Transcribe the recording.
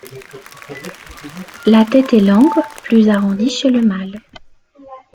La tête est longue, plus arrondie chez le mâle.